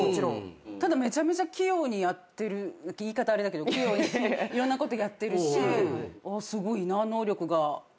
ただめちゃめちゃ器用にやってる言い方あれだけど器用にいろんなことやってるしすごいな能力があるなって。